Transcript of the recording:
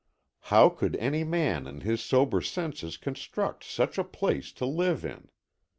How could any man in his sober senses construct such a place to live in?